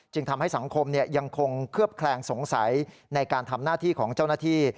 ทำให้สังคมยังคงเคลือบแคลงสงสัยในการทำหน้าที่ของเจ้าหน้าที่